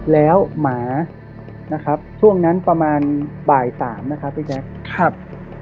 แล้วหมานะครับช่วงนั้นประมาณบ่ายสามนะครับพี่แจ๊คครับ